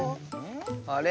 あれ？